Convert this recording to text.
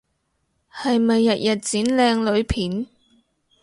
係咪日日剪靚女片？